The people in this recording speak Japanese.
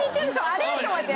「あれ？」と思って。